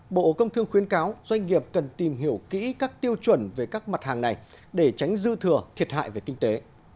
bộ công thương khuyến cáo doanh nghiệp cần tìm hiểu kỹ các tiêu chuẩn về các mặt hàng này để tránh dư thừa thiệt hại về kinh tế